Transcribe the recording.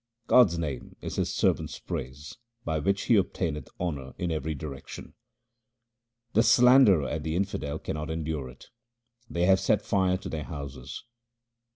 God's name is His servant's praise by which he obtaineth honour in every direction. The slanderer and the infidel cannot endure it ; they have set fire to their houses.